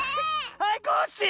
はいコッシー！